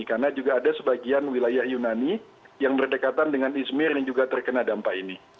karena juga ada sebagian wilayah yunani yang berdekatan dengan izmir yang juga terkena dampak ini